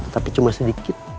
tapi cuma sedikit